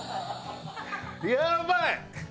やばい！